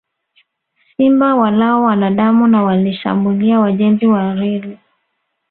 Simba walao wanadamu na waliwashambulia wajenzi wa reli